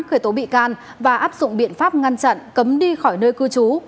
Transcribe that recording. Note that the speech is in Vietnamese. khởi tố bị can và áp dụng biện pháp ngăn chặn cấm đi khỏi nơi cư trú